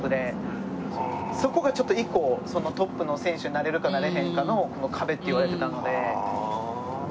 そこがちょっと一個トップの選手になれるかなれへんかの壁って言われてたので。